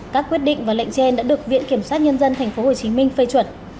các quyết định và lệnh trên đã được viện kiểm sát nhân dân tp hcm phê chuẩn